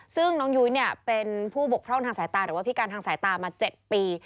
ซึ่งน้องยุ้ยเป็นผู้บกพร่องทางสายตาหรือว่าพิการทางสายตามา๗ปี